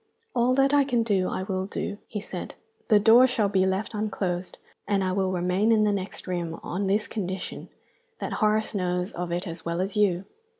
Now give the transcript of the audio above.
"All that I can do I will do," he said. "The doors shall be left unclosed, and I will remain in the next room, on this condition, that Horace knows of it as well as you.